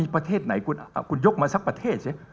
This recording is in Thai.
ประเทศไหนคุณยกมาสักประเทศสิ